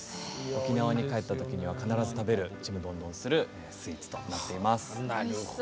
沖縄に帰った時には必ず食べるちむどんどんするスイーツとなっています。